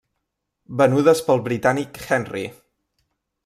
Venudes pel britànic Henry.